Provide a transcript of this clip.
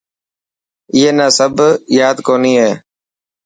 اي نا سب ياد ڪوني هي.